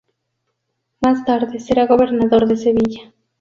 Más tarde será gobernador de Sevilla.